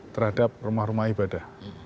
terhadap rumah rumah ibadah